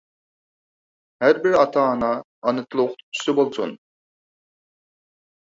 ھەر بىر ئاتا-ئانا ئانا تىل ئوقۇتقۇچىسى بولسۇن!